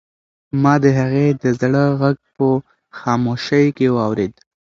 ما د هغې د زړه غږ په خاموشۍ کې واورېد.